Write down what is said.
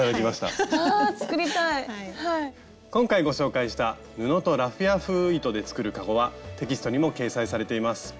今回ご紹介した「布とラフィア風糸で作るかご」はテキストにも掲載されています。